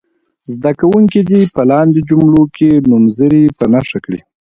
زده کوونکي دې په لاندې جملو کې نومځري په نښه کړي.